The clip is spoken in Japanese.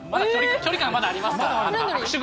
距離感まだありますからね。